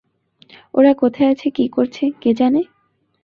ওরা কোথায় আছে, কী করছে, কে জানে?